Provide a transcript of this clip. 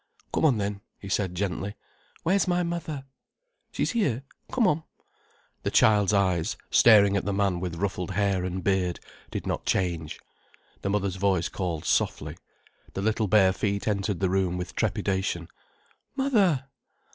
"Come on then," he said gently. "Where's my mother?" "She's here—come on." The child's eyes, staring at the man with ruffled hair and beard, did not change. The mother's voice called softly. The little bare feet entered the room with trepidation. "Mother!"